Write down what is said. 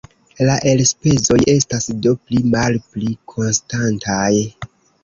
La elspezoj estas do pli-malpli konstantaj.